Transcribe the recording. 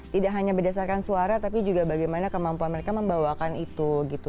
tidak hanya berdasarkan suara tapi juga bagaimana kemampuan mereka membawakan itu gitu